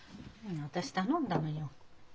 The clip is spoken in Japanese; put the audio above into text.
私頼んだのよ。